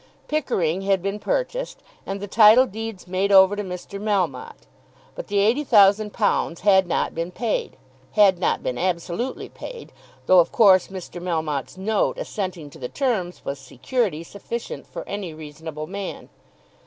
Pickering had been purchased and the title deeds made over to Mr. Melmotte; but the £80,000 had not been paid, had not been absolutely paid, though of course Mr. Melmotte's note assenting to the terms was security sufficient for any reasonable man.